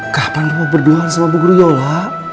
kapan mau berduaan sama bu griola